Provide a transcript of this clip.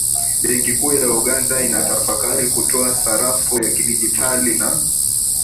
Benki kuu ya Uganda inatafakari kutoa sarafu ya kidigitali na